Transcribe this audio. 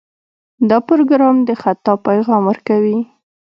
دا پروګرام د خطا پیغام ورکوي.